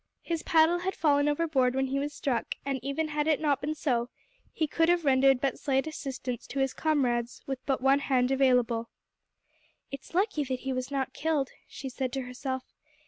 His paddle had fallen overboard when he was struck, and even had it not been so, he could have rendered but slight assistance to his comrades with but one hand available. "It is lucky that he was not killed," she said to herself.